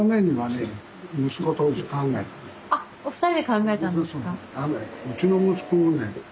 あっお二人で考えたんですか？